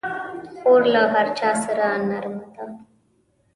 خور له هر چا سره نرمه ده.